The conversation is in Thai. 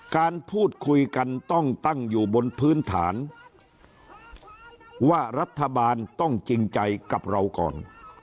การพูดคุยกันต้องตั้งอยู่บนพื้นฐานว่ารัฐบาลต้องจริงใจกับเราก่อน